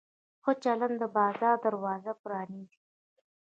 ښه چلند د بازار دروازه پرانیزي.